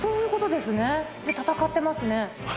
で戦ってますね。